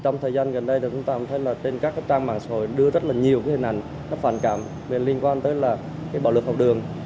trong thời gian gần đây thì chúng ta thấy là trên các trang mạng sổ đưa rất là nhiều cái hình ảnh phản cảm liên quan tới là cái bạo lực học đường